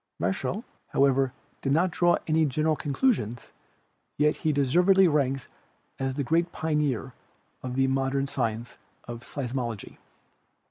Michell, however, did not draw any general conclusions, yet he deservedly ranks as the great pioneer of the mod ern science of Seismology.